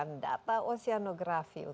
ekspedisi indonesia prima